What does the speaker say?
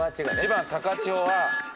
２番高千穂は。